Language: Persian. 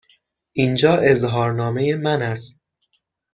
اینجا اظهارنامه من است.